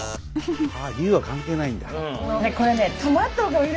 龍は関係ないんだ。